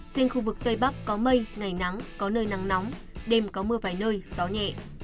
riêng khu vực tây bắc có mây ngày nắng có nơi nắng nóng đêm có mưa vài nơi gió nhẹ